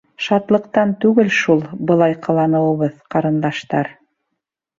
— Шатлыҡтан түгел шул, былай ҡыланыуыбыҙ, ҡарындаштар.